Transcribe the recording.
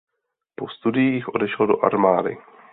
Po studiích odešel do armády.